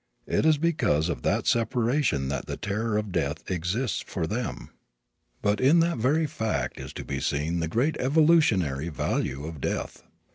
It is because of that separation that the terror of death exists for them. But in that very fact is to be seen the great evolutionary value of death.